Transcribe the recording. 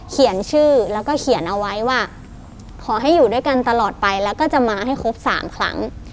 เขียนชื่อแล้วก็เขียนเอาไว้ว่าขอให้อยู่ด้วยกันตลอดไปแล้วก็จะมาให้ครบ๓ครั้ง